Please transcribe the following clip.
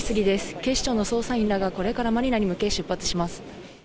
警視庁の捜査員らが、これからマニラに向け、出発します。